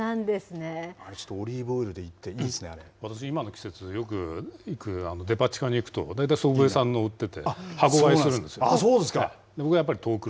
ちょっとオリーブオイルでい私、今の季節、よく行くデパ地下に行くと、大体祖父江産の売ってて、箱買いするんですよ。